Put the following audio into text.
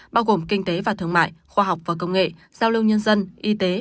bao gồm kinh tế và thương mại khoa học và công nghệ giao lưu nhân dân y tế